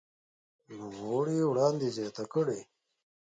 نوموړي وړاندې زياته کړې